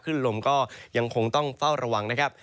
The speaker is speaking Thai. ขึ้นลมก็ยังคงต้องเฝ้าระวังนะครับ